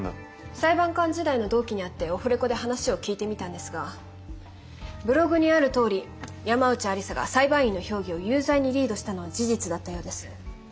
裁判官時代の同期に会ってオフレコで話を聞いてみたんですがブログにあるとおり山内愛理沙が裁判員の評議を有罪にリードしたのは事実だったようです。